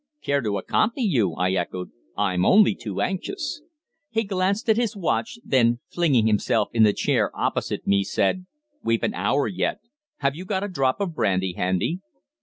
"Care to accompany you?" I echoed. "I'm only too anxious." He glanced at his watch, then flinging himself into the chair opposite me, said, "We've an hour yet. Have you got a drop of brandy handy?"